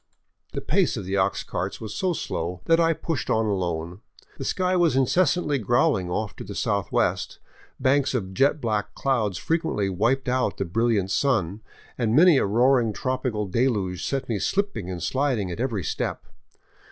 The pace of the ox carts was so slow that I pushed on alone. The sky was incessantly growling off to the southwest, banks of jet black clouds frequently wiped out the brilliant sun, and many a roaring tropical deluge set me slipping and sliding at every step.